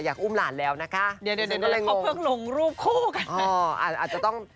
อยากอุ้มหลานแล้วนะคะเดี๋ยวเขาเพิ่งลงรูปคู่กัน